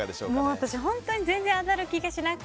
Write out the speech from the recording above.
私、本当に全然当たる気がしなくて。